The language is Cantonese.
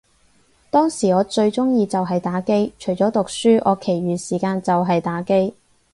當時我最鍾意就係打機，除咗讀書，我其餘時間就係打機